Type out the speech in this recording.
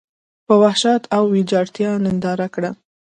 په وحشت دا ویجاړتیا ننداره کړه.